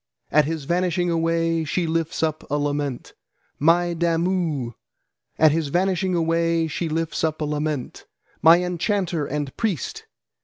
at his vanishing away she lifts up a lament; 'My Damu!' at his vanishing away she lifts up a lament. 'My enchanter and priest!'